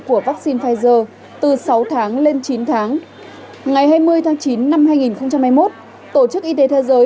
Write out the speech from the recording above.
của vaccine pfizer từ sáu tháng lên chín tháng ngày hai mươi tháng chín năm hai nghìn hai mươi một tổ chức y tế thế giới